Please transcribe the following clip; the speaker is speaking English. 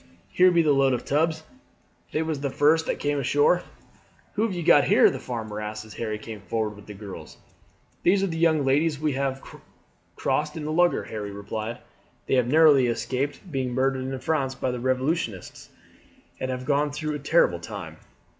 Here be the load of tubs; they was the first that came ashore." "Who have you got here?" the farmer asked as Harry came forward with the girls. "These are two young ladies who have crossed in the lugger," Harry replied. "They have narrowly escaped being murdered in France by the Revolutionists, and have gone through a terrible time.